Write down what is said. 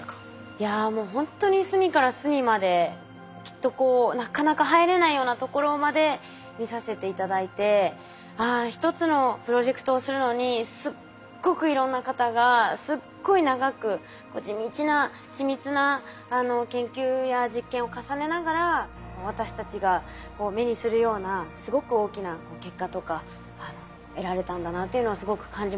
いやもうほんとに隅から隅まできっとなかなか入れないようなところまで見させて頂いてああ一つのプロジェクトをするのにすっごくいろんな方がすっごい長く地道な緻密な研究や実験を重ねながら私たちが目にするようなすごく大きな結果とか得られたんだなっていうのをすごく感じました。